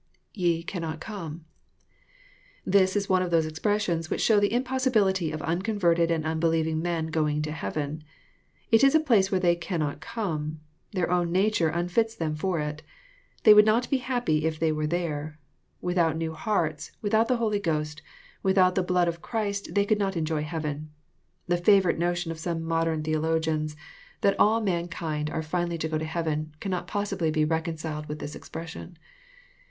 [ Te cannot come,] This is one of those expressions which show the impossibility of unconverted and unbelieving men going to heaven. It is a place wh^fe' they " cannot come." Their own nfiiture unfits them for it. They would not be happy if they were there. Without new hearts, without the Holy Ghost, without the blood of Christ they could^not enjoy heaven. The favourite notion of 86me modern theologians, that all mau« 88 EXPOSITOBY THOUGHTS, kind are finally to go to heaven, cannot possibly be reconciled with this expression.